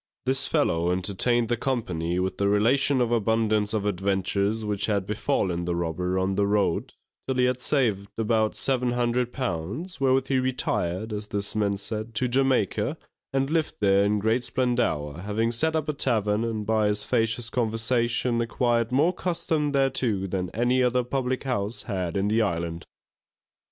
This fellow entertained the company with the relation of abundance of adventures which had befallen the robber on the road, till he had saved about seven hundred pounds, wherewith he retired (as this man said) to Jamaica, and lived there in great splendour, having set up a tavern, and by his facetious conversation, acquired more custom thereto than any other public house had in the Island.